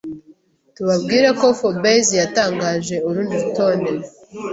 Tubabwire ko Forbes yatangaje urundi rutonde